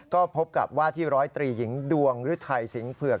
ก็พบกับว่าที่ร้อยตรีหญิงดวงฤทัยสิงหเผือก